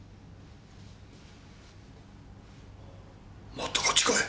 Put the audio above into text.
もっとこっち来い。